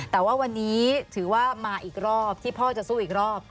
แต่ว่าวันนี้ถือว่ามาอีกรอบที่พ่อจะสู้อีกรอบ